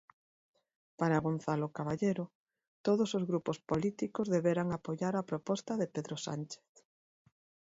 Para Gonzalo Caballero, todos os grupos políticos deberan apoiar a proposta de Pedro Sánchez.